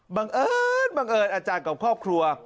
บังเอิญบังเอิญอาจารย์กับครอบครัว